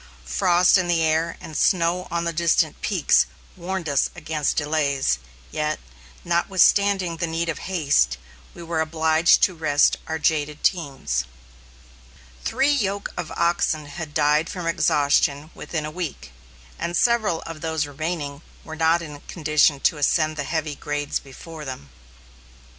Frost in the air and snow on the distant peaks warned us against delays; yet, notwithstanding the need of haste, we were obliged to rest our jaded teams. Three yoke of oxen had died from exhaustion within a week, and several of those remaining were not in condition to ascend the heavy grades before them.